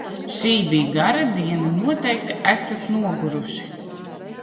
Šī bija gara diena, noteikti esat noguruši!